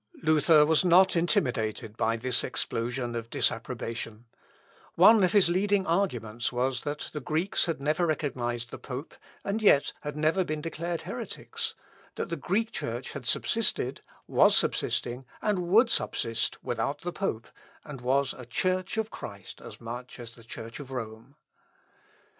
Luther was not intimidated by this explosion of disapprobation One of his leading arguments was, that the Greeks had never recognised the pope, and yet had never been declared heretics; that the Greek Church had subsisted, was subsisting, and would subsist without the pope, and was a Church of Christ as much as the Church of Rome.